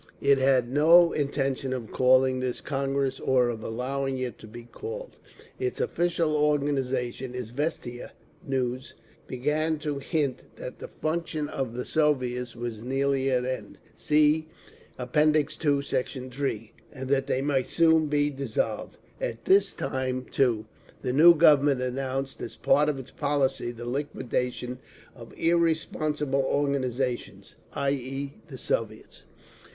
It had no intention of calling this Congress or of allowing it to be called. Its official organ, Izviestia (News), began to hint that the function of the Soviets was nearly at an end, (See App. II, Sect. 3) and that they might soon be dissolved… At this time, too, the new Government announced as part of its policy the liquidation of "irresponsible organisations"—i.e. the Soviets.